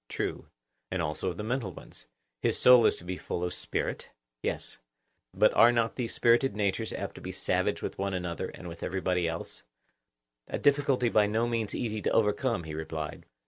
True. And also of the mental ones; his soul is to be full of spirit? Yes. But are not these spirited natures apt to be savage with one another, and with everybody else? A difficulty by no means easy to overcome, he replied.